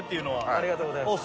ありがとうございます。